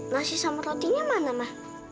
nasi sama rotinya mana